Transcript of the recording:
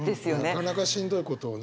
なかなかしんどいことをね。